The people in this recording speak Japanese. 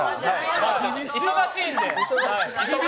忙しいんで。